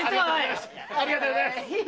ありがとうございます。